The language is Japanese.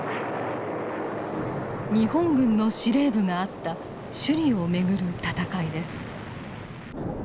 日本軍の司令部があった首里を巡る戦いです。